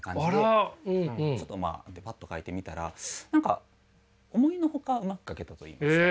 ちょっとまあパッと描いてみたら何か思いの外うまく描けたといいますか。